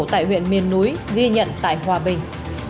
tại huyện miền núi ghi nhận tại hòa bình